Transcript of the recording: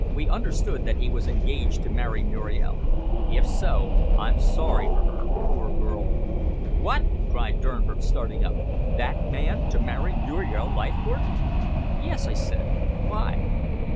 "We understood that he was engaged to marry Muriel. If so, I'm sorry for her, poor girl." "What!" cried Durnford, starting up. "That man to marry Muriel Leithcourt?" "Yes," I said. "Why?"